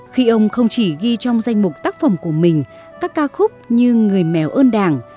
khi ông không chỉ ghi trong danh mục tác phẩm của mình các ca khúc như người mèo ơn đảng